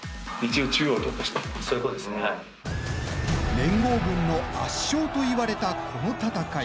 連合軍の圧勝といわれたこの戦い。